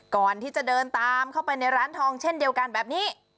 ก่อนที่จะเดินตามเข้าไปในร้านทองเช่นเดียวกันแบบนี้